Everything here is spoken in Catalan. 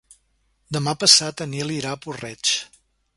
Demà passat en Nil irà a Puig-reig.